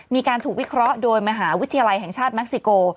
มีการถูกวิเคราะห์โดยมหาวิทยาลัยแห่งชาติเม็กซิโก